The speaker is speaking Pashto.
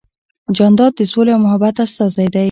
جانداد د سولې او محبت استازی دی.